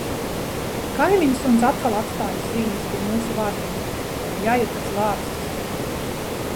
Kaimiņu suns atkal atstājis zīmes pie mūsu vārtiem - jāiet pēc lāpstas.